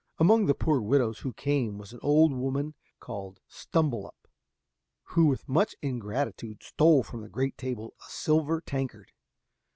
Among the poor widows who came was an old woman called Stumbelup, who with much ingratitude stole from the great table a silver tankard.